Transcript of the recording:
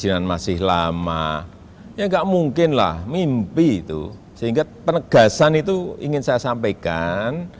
kebijakan masih lama ya nggak mungkin lah mimpi itu sehingga penegasan itu ingin saya sampaikan